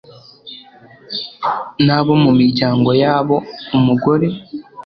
n abo mu miryango yabo umugore